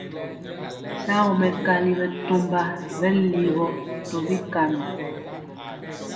Shagɔ mɛkali bɛtɔmba bɛ ligɔ tɔ bikaŋɔ.